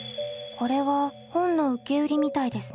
これは本の受け売りみたいですね。